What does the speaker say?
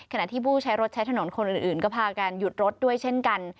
ที่ผู้ใช้รถใช้ถนนคนอื่นก็พากันหยุดรถด้วยเช่นกัน